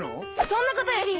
そんなことより！